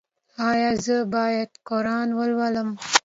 ایا زه باید قرآن ولولم؟